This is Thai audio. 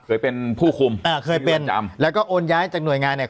เคยเป็นผู้คุมอ่าเคยเป็นจำแล้วก็โอนย้ายจากหน่วยงานเนี่ย